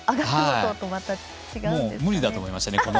無理だと思いますね。